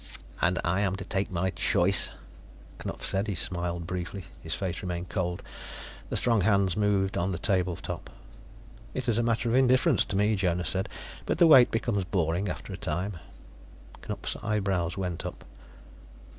"And I am to take my choice?" Knupf said. He smiled briefly; his face remained cold. The strong hands moved on the tabletop. "It is a matter of indifference to me," Jonas said. "But the wait becomes boring, after a time." Knupf's eyebrows went up.